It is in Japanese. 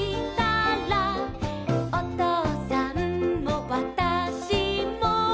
「おとうさんもわたしも」